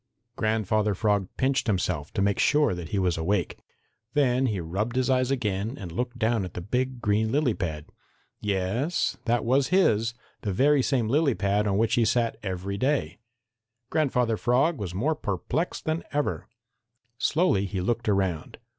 Grandfather Frog pinched himself to make sure that he was awake. Then he rubbed his eyes again and looked down at the big green lily pad. Yes, that was his, the very same lily pad on which he sat every day. Grandfather Frog was more perplexed than ever. Slowly he looked around.